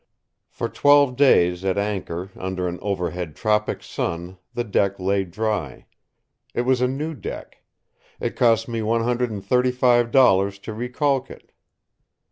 For twelve days, at anchor, under an overhead tropic sun, the deck lay dry. It was a new deck. It cost me one hundred and thirty five dollars to recaulk it.